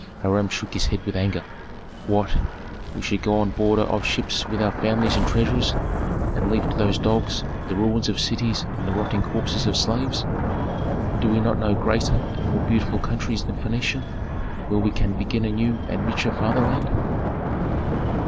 Hiram shook his head with anger. "What? We should go on board of ships with our families and treasures and leave to those dogs the ruins of cities and the rotting corpses of slaves. Do we not know greater and more beautiful countries than Phœnicia, where we can begin a new and richer fatherland?"